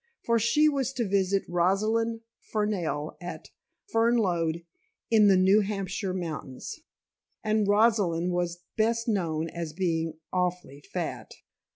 For she was to visit Rosalind Fernell at Fernlode, in the New Hampshire mountains, and Rosalind was best known as being "awfully fat."